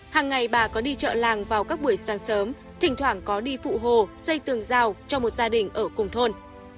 hàng ngày bà có đi chợ làng vào các buổi sáng sớm thỉnh thoảng có đi phụ hồ xây tường rào cho một gia đình ở cùng thôn